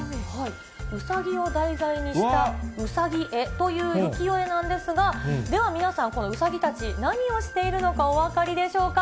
うさぎを題材にした兎絵という浮世絵なんですが、では皆さん、このうさぎたち、何をしているのか、お分かりでしょうか。